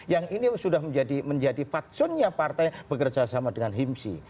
yang ini sudah menjadi fatsunnya partai bekerja sama dengan himsi